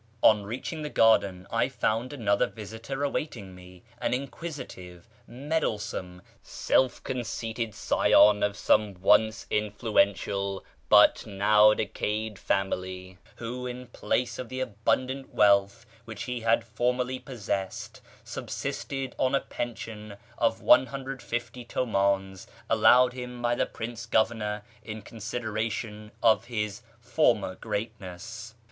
On reaching the garden I found another visitor awaiting me — an inquisitive, meddlesome, self conceited scion of some once influential but now decayed family, who, in place of the abundant wealth which he had formerly possessed, subsisted on a pension of 150 tumdns allowed him by the Prince Governor in consideration of his former greatness.